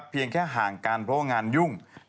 เพียงแค่ห่างกันเพราะว่างานยุ่ง